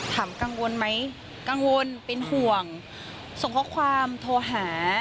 กังวลไหมกังวลเป็นห่วงส่งข้อความโทรหา